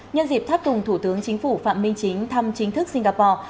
nhân dịp tháp tùng thủ tướng chính phủ phạm minh chính thăm chính thức singapore